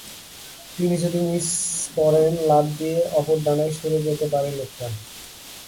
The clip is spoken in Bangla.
তিনি যদি মিস করেন, লাফ দিয়ে অপর ডানায় সরে যেতে পারে লোকটা।